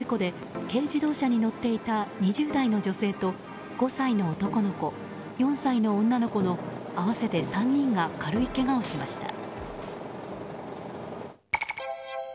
この事故で軽自動車に乗っていた２０代の女性と５歳の男の子、４歳の女の子の合わせて３人が軽いけがをしました。